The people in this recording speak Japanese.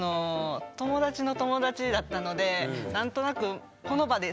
友達の友達だったので何となく空気もね。